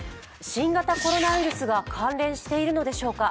新型コロナウイルスが関連しているのでしょうか。